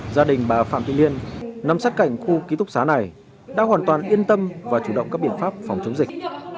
gia đình bà phạm thị liên nằm sát cảnh khu ký túc xá này đã hoàn toàn yên tâm và chủ động các biện pháp phòng chống dịch